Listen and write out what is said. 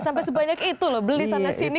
sampai sebanyak itu loh beli sana sini